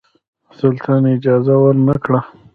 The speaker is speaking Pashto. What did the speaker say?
سلطان اجازه ورنه کړه.